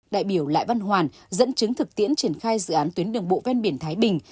đại biểu lại văn hoàn dẫn chứng thực tiễn triển khai dự án tuyến đường bộ ven biển thái bình